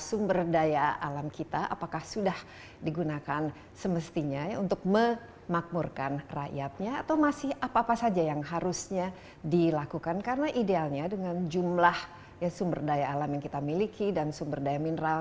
pembangunan teknologi pembangkit listrik energi baru terbarukan terus dilakukan untuk menanggulangi persoalan elektrifikasi nasional